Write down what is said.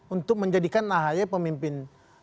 untuk menjadikan ahy pemimpin